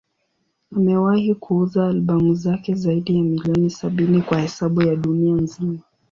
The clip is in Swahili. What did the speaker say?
Amewahi kuuza albamu zake zaidi ya milioni sabini kwa hesabu ya dunia nzima.